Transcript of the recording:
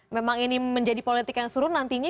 memang ini menjadi politik yang seru nantinya